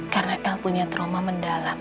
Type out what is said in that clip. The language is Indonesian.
karena el punya trauma mendalam